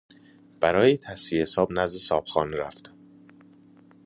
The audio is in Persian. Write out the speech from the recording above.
برای تسویه حساب نزد صاحبخانه رفتم.